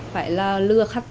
phải là lừa khách